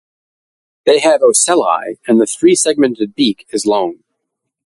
They have ocelli and the three segmented beak is long.